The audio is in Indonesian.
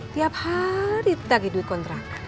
tiap hari kita lagi duit kontrak